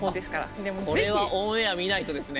これはオンエア見ないとですね。